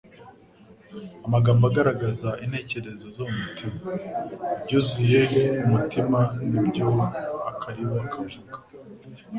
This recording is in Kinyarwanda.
Amagambo agaragaza intekerezo zo mu mitima : «ibyuzuye umutima nibyo akariwa kavuga.»